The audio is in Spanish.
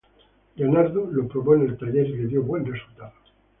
Leonardo lo probó en el taller y le dio buen resultado.